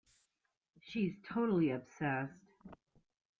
She's totally obsessed.